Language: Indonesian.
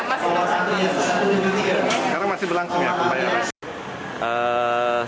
sekarang masih berlangsung ya pembayaran